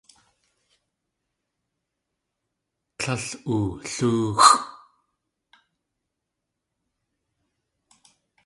Tlél oolóoxʼ.